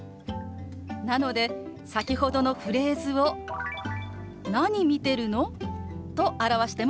なので先ほどのフレーズを「何見てるの？」と表してもＯＫなんですよ。